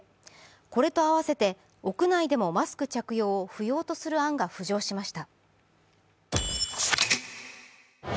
これと併せて屋内でもマスク着用を不要とする案が浮上しました。